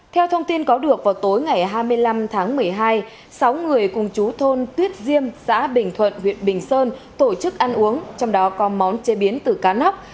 theo thông tin có được vào tối ngày hai mươi năm tháng một mươi hai sáu người cùng chú thôn tuyết diêm xã bình thuận huyện bình sơn tổ chức ăn uống trong đó có món chế biến từ cá nóc